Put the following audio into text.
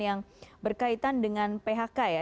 yang berkaitan dengan phk ya